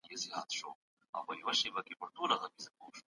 حضوري تدريس عملي مهارتونه لوړوي.